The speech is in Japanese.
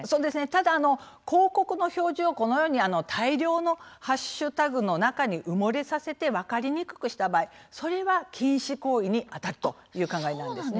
ただあの広告の表示をこのように大量のハッシュタグの中に埋もれさせてわかりにくくした場合それは禁止行為にあたるという考えなんですね。